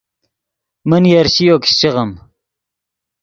من یرشِیو کیشچے غیم